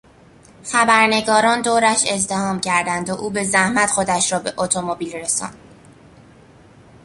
خبرنگاران دورش ازدحام کردند و او به زحمت خودش را به اتومبیل رساند.